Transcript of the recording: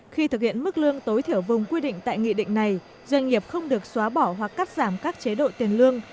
khi thực hiện mức lương tối thiểu vùng quy định tại nghị định này doanh nghiệp không được xóa bỏ hoặc cắt giảm các chế độ tiền lương